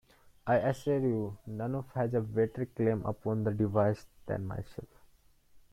I assure you, none has a better claim upon that device than myself.